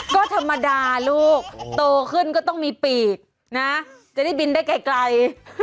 ก็ธรรมดาลูกโตขึ้นก็ต้องมีปีกนะจะได้บินได้ไกล